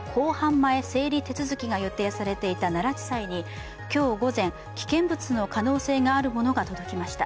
前整理手続きが予定されていた奈良地裁に今日午前、危険物の可能性があるものが届きました。